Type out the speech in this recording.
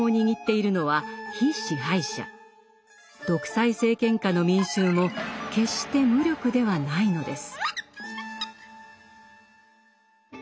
独裁政権下の民衆も決して無力ではないのです。